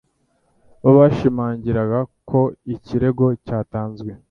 bo bashimangiraga ko ikirego cyatanzwe